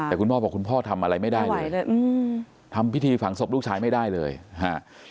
แต่คุณพ่อบอกคุณพ่อทำอะไรไม่ได้เลยทำพิธีฝังศพลูกชายไม่ได้เลยฮะ